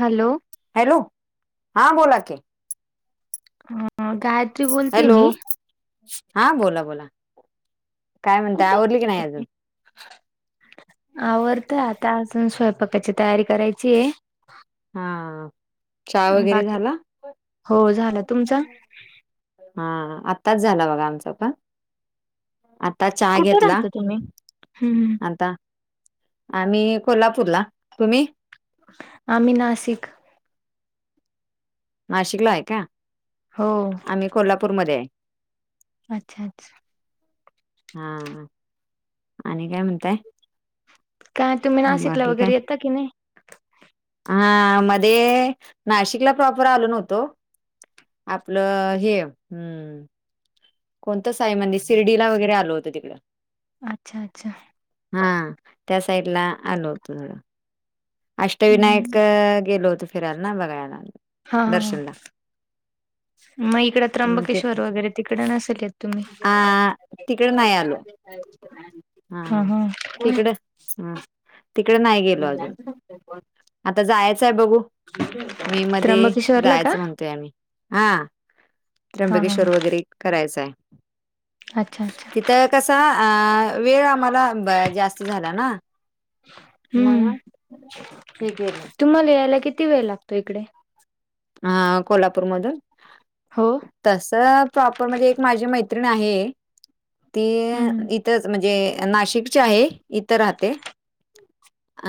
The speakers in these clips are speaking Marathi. हॅलो. हॅलो हां बोलाकी. ह ह काय हॅलो हा बोला बोला काय म्हणतय कुठे आवरली की राहता नाही अजून? [inaudible] आवरतय आता अजून स्वयंपाकाची तयारी करायची आहे. हा चहा वगैरे बाकी झाला? हो झालं तुमचा हा आत्ताच झाला बघा आमचं पण. आता चहा कुठे घेतला राहता तुम्ही हम्म आता आम्ही कोल्हापूरला तुम्ही? आम्ही नाशिक. नाशिकला आहे का हो आम्ही कोल्हापूरमध्ये आहे. अच्छा अच्छा. हा आणि काय म्हणताय? काय तुम्ही नाशिकला बाकी काय वगैरे येता की नाही? हा मध्ये नाशिकला प्रॉपर आलो नव्हतो आपलं हे हम्म कोणतं साई मंदि शिर्डीला वगैरे आलं होतं तिकंड. अच्छा अच्छा. हा त्या साइड ला आलो होतो थोडं. हम्म अष्टविनायक हम्म. गेलो होतो फिरायला ना बघायला. हा हा हा. दर्शनला मग इकड मग ते त्र्यंबकेश्वर वगैरे तिकडे नसेल येत तुम्ही? आ तिकडे नाही आलो हा हा. तिकडे नाही गेलो अजून आता जायचंय बघू. मे मध्ये त्र्यंबकेश्वरला का जायाचं म्हणतोय आम्ही हा हा हा त्र्यंबकेश्वर वगैरे करायचय अच्छा अच्छा तिथं कसा अ वेळ आम्हाला ब जास्त झाला ना हम्म म्हणून हे केलं तुम्हाला यायला किती वेळ लागतो इकडे? हा कोल्हापूरमधून? हो. तस प्रॉपर म्हणजे एक माझी मैत्रिण आहे ते हम्म इथच म्हणजे नाशिकची आहे इथं राहते अ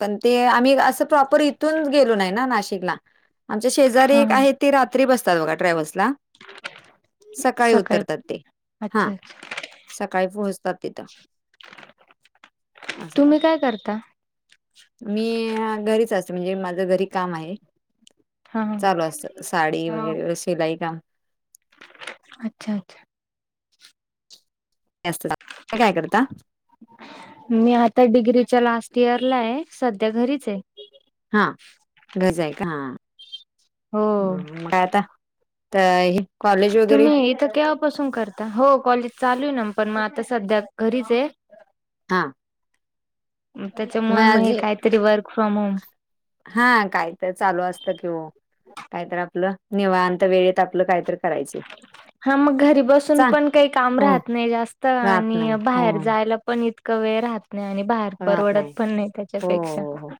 पण ते आम्ही असं प्रॉपर इथूनच गेलो नाही ना नाशिकला. आमच्या शेजारी हा एक हा आहे ते रात्री बसतात बघा ट्रॅव्हल्सला सकाळी उतरतात ते हां. अच्छा सकाळी पोहोचतात तिथं असं तुम्ही करतात. काय करता? मी घरीच असते म्हणजे माझं घरी काम आहे. हा चालू असं साडी हा. वगैरे शिलाई काम. अच्छा अच्छा. [unintelligible] तुम्ही काय करता? मी आता डिग्रीच्या लास्ट इयरला आहे सध्या घरीच आहे. हा घरी आहे का हा हो म काय आता तर हे कॉलेज वगैरे [unintelligible] बसून करता हो कॉलेज चालू आहे ना पण मग आता सध्या घरीच ये. हा त्याच्यामुळे मग हे काहीतरी वर्क फ्रॉम होम. हा काय तर चालू असतं कि ओ काहीतर आपलं निवंत वेळेत आपलं काहीतर करायचे. [inaudible] हा मग घरी बसून चा पण काही काम हो राहत नाही जास्त राहत नाही आणि हो बाहेर जायला पण क वेळ राहत नाही आणि बाहेर परवडत पण नाही हो त्याच्यापेक्षा हो हो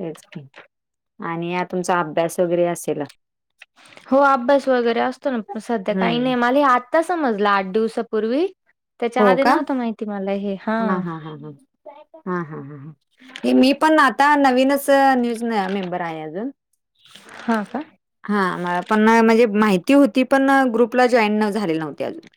तेच आणि आ तुमचा अभ्यास वगैरे असेल. हो अभ्यास वगैरे असतो ना सध्या काही हम्म नाही मला हे आ आत्ता समजल आठ दिवसापूर्वी त्याच्या हो आधी का नव्हतं माहिती मला हे हा हा हा हा हा हा हे मी पण आता नवीनच न्यूज मेंबर आहे अजून. हा का हा मला पण म्हणजे माहिती होती पण ग्रुपला जॉईन झाले नव्हती अजून.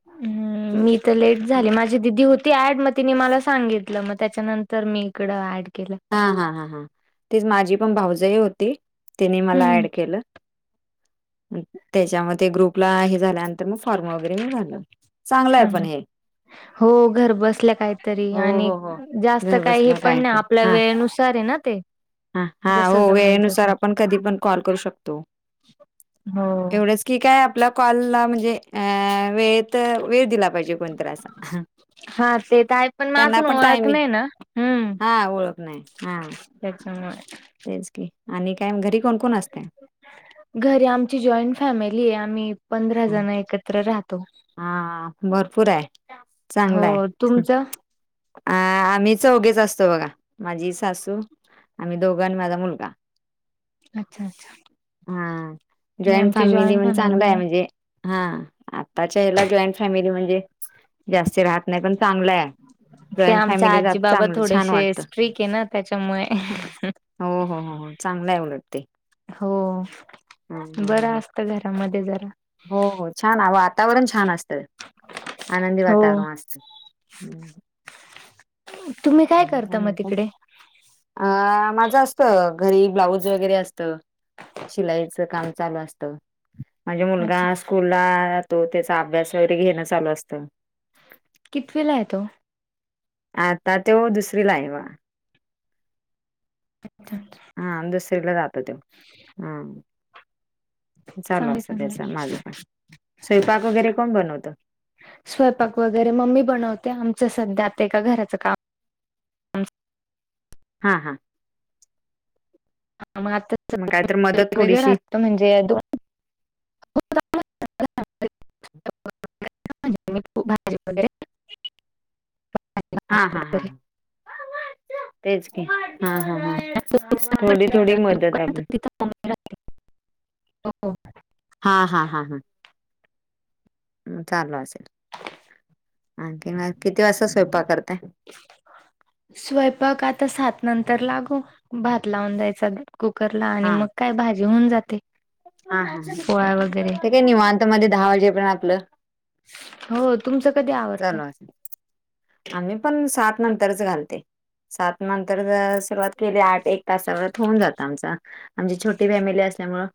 [inaudible] मी तर लेट झाले माझी दिदी होती ऍड मग तिने मला सांगितलं मग त्याच्यानंत तर मी इकडं ऍड केलं. हा हा हां हां तेच माझी पण भावजय होती. तिनी मला हम्म ऍड केलं त्याच्यामध्ये ग्रुपला हे झाल्या तर मग फॉर्म वगैरे मी भरला चांगलं हा आहे पण हे. हो घर बसल्या काहीतरी हो आणि हो हो. जास्त घर काही हे बसल्या पण काय नाय आप तर आपल्या हा वेळेनुसार आहे ना ते. हा हा जस हो जमेल तस वेळेनुसार आपण कधी पण कॉल करू शकतो. हो एवढ जस की काय आपला कॉलला म्हणजे अ वेळेत वेळ दिला पाहिजे कोण- जरासा हा हा ते तर आहे त्याना माझून पण ओळख टाइमी नाही ना हम्म हा हो नाय हा त्याच्यामुळे तेच की आणि काय घरी कोण कोण असतय? घरी आमची जॉईंट फॅमेली आहे आम्ही पंधरा जण एकत्र राहतो. हा भरपूर आहे, हो चांगलं आहे. तुमचं आ आम्ही चौघेच असतो बघा माझी सासू आम्ही दोघं आन माझा मुलगा. अच्छा अच्छा हा नाही, जॉइंट आमची फॅमिली जॉईंट म्हण चांगल फॅमिली आहे, म्हणजे हा आजच्या हेला जॉईंट फॅमिली म्हणजे जास्ती राहत नाही पण चांगलं आहे. ते जॉईंट आमचे फॅमिली आजी जात बाबा चांगलं छान थोडेशे वाटतं. स्ट्रिक्ट हेना त्याच्यामुळे हो हो हो हो चांगलय उलट ते. हो हां, हां, हां, बरं हां. असत घरामध्ये मध्येजरा हो हो छान वातावरण छान असतं. आनंदी हो वातावरणं असत. तुम्ही काय करता म तिकडे? अ माझं असत घरी ब्लाऊज वगैरे असत. शिलाईचं काम चालू असतं. माजे मुलगा अच्छा स्कूला जातो त्याचा अभ्यास वगैरे घेणं चालू असतं. कितवीला आहे तो. आता त्यो दुसरी ला आहे बघा. अच्छा अच्छा अच्छा, हा, दुसरीला जातो तो हा, चालु चांगले असं त्याच चांगले माझ पण स्वयंपाक वगैरे कोण बनवत? स्वंयपाक वगैरे मम्मी बनवते आमच सध्या आता एका घराचं काम. हा हा, हा, मग आता मग कायत मदत वेगवेगळे थोडीशी राहतात. त म्हणजे दोन [inaudible] [inaudible] खूप भाजी वैगेरे हा हा हा तेच की हा हा हा, के काय बाई थोडी थोडी मदत आपली. हो हो [inaudible] हा हा हा हा, म चालू असेल आणखी किती वाजता स्वयंपाक करताय? स्वयंपाक आता सात नंतर लागू भात लावून द्यायचा ग. कुकरला आणि हा मग काय भाजी होऊन जाते. हा हा, पोळ्या वगैरे ते काय निवांत मध्ये दहा वाजेपर्यंत आपलं. हो तुमचं कधी आवरतं? चालू असेल आम्ही पण सात नंतरच घालते सात नंतर अ सुरवात. केले आठ एक तासावर होऊन जातं आमचं छोटी फॅमिली अस. त्यामुळ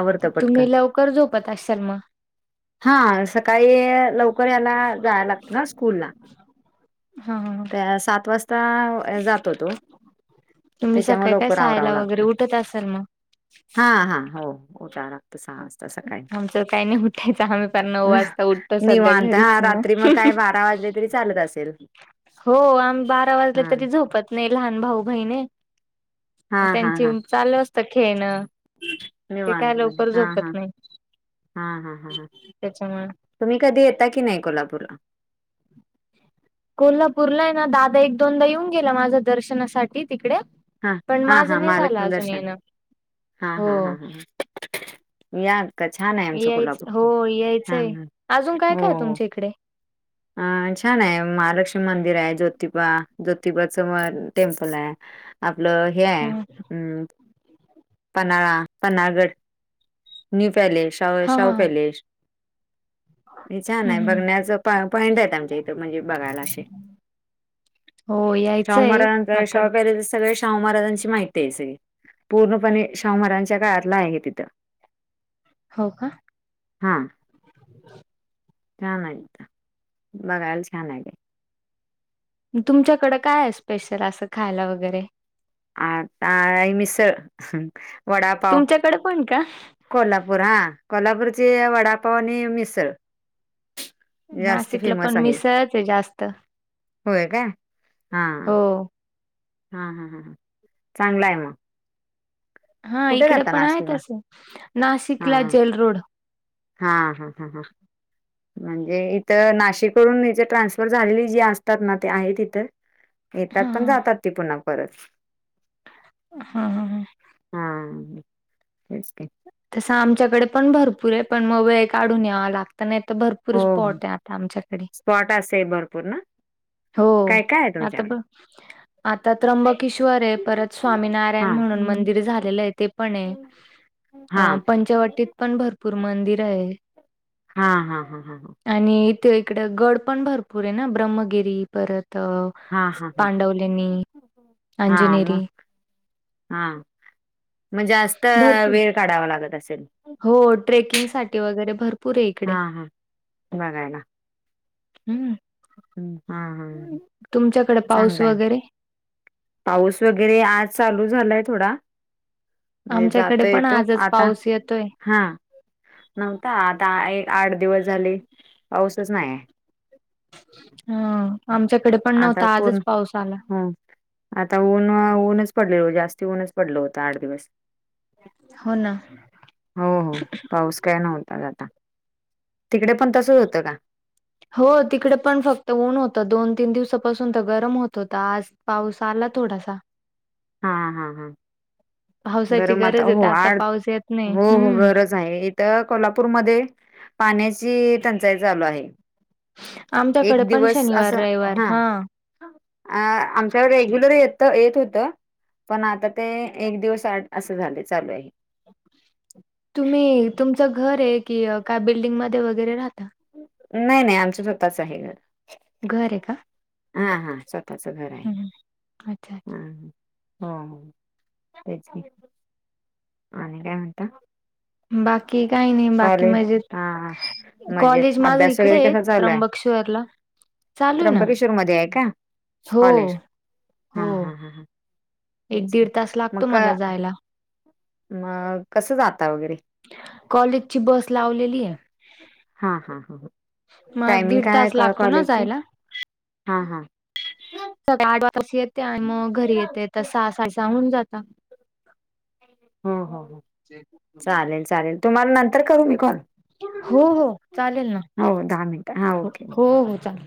आवरत पटकन. तुम्ही लवकर झोपत असाल मग हा, सकाळी. लवकर याला. जायला लागतं ना स्कूलला. हा हा त्याला सात वाजता जातो तो. तुम्ही त्याच्यामुळे सकाळी काय लवकर आवरावं सहाला वगैरे लागतं. उठत असल मग. हा हा हो, उठाव लागतं सहा वाजता. तसं काय आमचं काही नाही उठायचं आम्ही फार नऊ नाय वाजता उठतो सध्या निवांत घरीच हा आहे ना. रात्री. तीव्हा काय बारा वाजले तरी चालत असेल. हो आम्ही बारा वाजला हा तरी झोपत नाही लहान भाऊ बहिणी हा हे हा त्यांची. हा चालू असत खेळणं. ते निवांत काय मध्ये लवकर हा हा झोपत नाहीत हा हा हा हा त्याच्यामुळे. तुम्ही कधी येता की, नाही कोल्हापूरला? कोल्हापूरला आहे ना दादा एक दोनदा येऊन गेला मागे दर्शनासाठी तिकडे. हा पण हा हा माझं नाही झालं महालक्ष्मी अजून दर्शन येणं हा हो हा हा हा, या, का छान आहे आमचं यायच कोल्हापूर हो पण. हां, यायचंय हां. अजून काय काय तुमच्या इकडे? अं छान आहे. महालक्ष्मी मंदिर आहे. ज्योतिबा ज्योतिबाच वा टेम्पल आहे. आपलं हे हा आहे. ''हं'' पनाळा पन्हाळगड न्यू पॅलेस शाह हा हा शाहू पॅलेस. हे छान हम्म आहे. हम्म बघण्याच पा पॉइंट आहे. आमच्या इथ. त म्हणजे बघायला अशे हो शाहू यायचंय महाराजांच्या आता शाहू पॅलेस सगळे शा ''--'' शाहू महाराजांची माहिती आहे सगळी पूर्ण पणे शाहु महाराजांच्या काळातलं आहे तिथं. हो का? हा. छान आहेत. बघायला छान आहेत. तुमच्याकडं काय आहे स्पेशल, असं खायला वगैरे? आता आहे मिसळ, वडापाव. कड पण का? कोल्हापूर हा, कोल्हापूरची वडापाव आणि मिसळ. जास्त नाशिकला पण फेमस आहे मिसळच आहे जास्त. होय काय? हा हो. हा हा हा चांगला आहे मग. हा कुठे इकडे राहता पण आहेत नाशिकला तसं, हा नाशिकला जेल रोड. हा हां हां हां. [inaudible] म्हणजे इथं नाशिकवरून इथे ट्रान्सफर झालेली जी असतात ना, ते आहेत इथं. येतात पण हां. जातात ती पुन्हा परत. हा हा हा. हा तेच की. तसं आमच्याकडे पण भरपूर आहे, पण मग वेळ काढून यावं लागतं नाही तर भर पूर हो हो स्पॉट आहे आता आमच्याकडे. स्पॉट असे भरपूर ना हो काय काय आहे आता तुमच्याकडे बघ, आता त्र्यंबकेश्वर आहे परत हा स्वामीनारायण म्हणून मंदिर झालेलं आहे ते पण आहे. हा अ पंचवटीत पण भरपूर मंदिर आहेत. हां हां हां हां हां. आणि इथे इकडं गड पण भरपूर आहे ना, ब्रह्मगिरी परत हा हा हा पांडवलेणी, हा अंजनेरी मग हा. मग जास्त भरपूर, वेळ काढावा लागत असेल हो ट्रेकिंगसाठी वगैरे भर पुरे इकडे. हा हा बघायला. हम्, हा हा तुमच्याकडे पाऊस चांगलाय वगैरे? पाऊस वगैरे आज चालू झालाय थोडा. म्हणजे आमच्याकडे जाता पण येतो आजच आता, पाऊस येतोय. हा. नव्हता आता, एक आठ दिवस झाले पाऊसच नाही. हा आमच्याकडे पण आता नव्हता पूर्ण आजच पाऊस आला. हो आता ऊन ऊनच पडले जास्त ऊनच पडलं होतं आठ दिवस. हो ना. हो हो पाऊस काय नव्हता आता, तिकडे पण तसंच होतं का? हो तिकडे पण फक्त ऊन होतं, दोन तीन दिवसांपासून तर गरम होत होतं, आज पाऊस आला थोडासा. हा हा हा पावसाची गरम आता गरज आहे हो तर आड पाऊस येत नाही. हो हो हम्म. गरज आहे. इथ कोल्हापूरमध्ये पाण्याची टंचाई चालू आहे. आमच्याकडे एक पण दिवस शनिवार असा, हा रविवार हा. अ आमच्यावर रेग्युलर येत येत होतं. पण आता ते एक दिवस आड असं झाले चालू आहे. तुम्ही तुमचं घर आहे की काय बिल्डिंगमध्ये वगैरे राहता? नाही नाही आमचं स्वतःच आहे घर. घर आहे का? हा हा स्वतःच घर. आहे हम् ह् अच्छा अच्छा. हा तेच की. आणि काय म्हणता? बाकी काही नाही बाकी कॉलेज मजेत. हा हा. म्हणजे कॉलेज माझं अभ्यास इकडे वगैरे आहे कसा चालू आय? त्र्यंबकेश्वरला चालू आहे ना त्र्यंबकेश्वर मध्ये आहे का? हो कॉलेज. हो. हा हा ह. एक तेच की. दीड तास म लागतो क मला जायला मग कसं जाता वगैरे? कॉलेजची बस लावलेली आहे. हा हा ह मग टायमिंग दीड काय हाय तास का लागतो ना कॉलेजची जायला. हा हा. सकाळी [unintelligible] येते आणि मग घरी येते त सहा साडेसहा होऊन जाता. हो हो हो चालेल चालेल. तुम्हाला नंतर करू मी कॉल. हो हो चालेल ना. हो दहा मिनिटं हा हो ओके. हो चाल